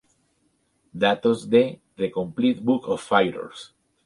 Datos de The Complete Book of Fighters.